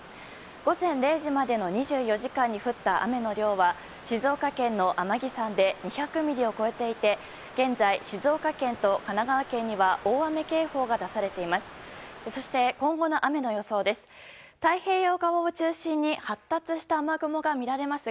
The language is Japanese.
午前０時までの２４時間に降った雨の量は静岡県の天城山で２００ミリを超えていて現在、静岡県と神奈川県には大雨警報が出されています。